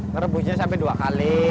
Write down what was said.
nge rebuknya sampai dua kali